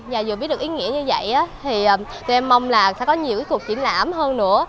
và vừa biết được ý nghĩa như vậy thì tụi em mong là sẽ có nhiều cuộc triển lãm hơn nữa